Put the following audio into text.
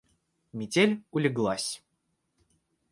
Метель улеглась.